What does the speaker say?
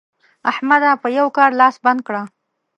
احمده! په یوه کار لاس بنده کړه.